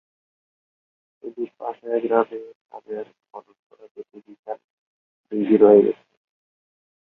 শুধু পাশের গ্রামে তাদের খনন করা দুটি বিশাল দীঘি রয়ে গেছে।